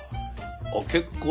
あっ結構。